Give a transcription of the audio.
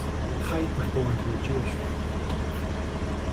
Chait was born to a Jewish family.